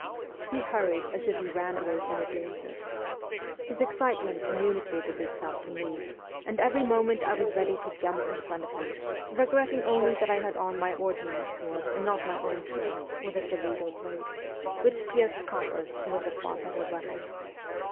He hurried as if he ran away from a danger. His excitement communicated itself to me, and every moment I was ready to jump in front of him, regretting only that I had on rny ordnance sword and not my own sword, with a Toledo blade, which pierced coppers and was a far better weapon.